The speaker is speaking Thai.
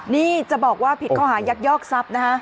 นี่จะบอกว่าผิดข้อหายักยอกทรัพย์นะฮะ